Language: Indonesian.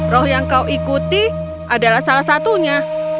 roh yang kau ikuti adalah salah satunya